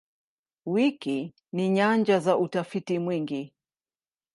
Wiki ni nyanja za utafiti mwingi.